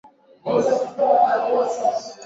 Kama mshambuliaji na anajulikana kama mtu wa ajabu